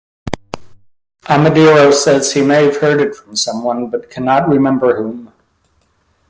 Amadiro says he may have heard it from someone, but cannot remember whom.